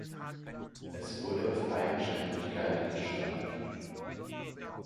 Es wurde auf Eigenständigkeit bestanden.